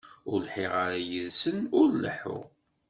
Ur lḥiɣ ara yid-sen ur leḥḥuɣ.